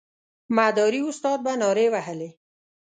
مداري استاد به نارې وهلې.